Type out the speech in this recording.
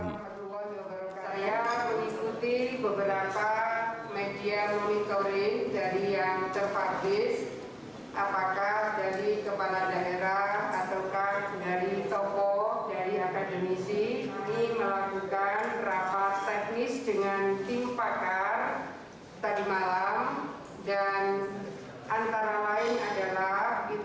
saya mengikuti beberapa media monitoring dari yang cepat bis